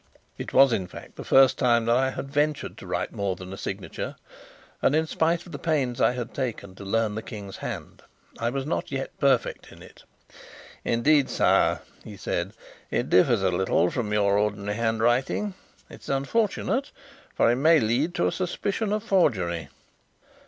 It was, in fact, the first time that I had ventured to write more than a signature; and in spite of the pains I had taken to learn the King's hand, I was not yet perfect in it. "Indeed, sire," he said, "it differs a little from your ordinary handwriting. It is unfortunate, for it may lead to a suspicion of forgery."